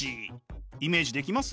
イメージできます？